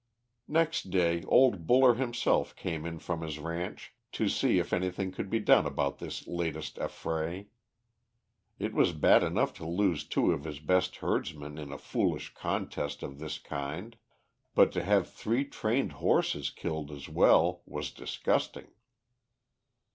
Next day old Buller himself came in from his ranch to see if anything could be done about this latest affray. It was bad enough to lose two of his best herdsmen in a foolish contest of this kind, but to have three trained horses killed as well, was disgusting.